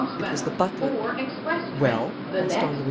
It was the butler. "Well?" asked Don Luis.